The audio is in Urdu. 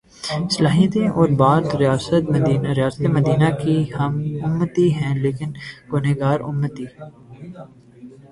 صلاحیتیں یہ اور بات ریاست مدینہ کی ہم امتی ہیں لیکن گناہگار امتی۔